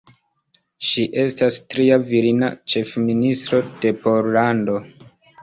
Ŝi estas tria virina ĉefministro de Pollando.